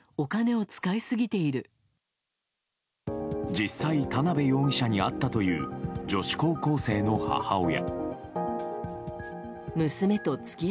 実際、田辺容疑者に会ったという女子高校生の母親。